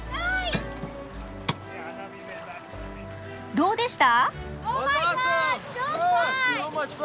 どうでした？